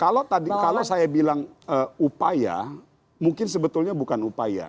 kalau tadi kalau saya bilang upaya mungkin sebetulnya bukan upaya